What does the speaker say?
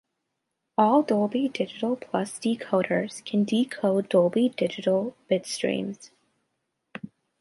All Dolby Digital Plus decoders can decode Dolby Digital bitstreams.